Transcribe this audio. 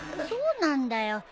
そうなんだよ。